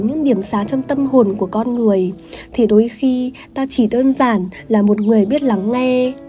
những điểm sáng trong tâm hồn của con người thì đôi khi ta chỉ đơn giản là một người biết lắng nghe